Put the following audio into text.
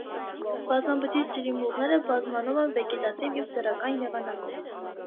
Բազմաբջիջ ջրիմուռները բազմանում են վեգետատիվ և սեռական եղանակով։